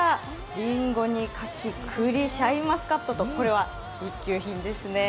りんごにかき、栗、シャインマスカットとこれは一級品ですね。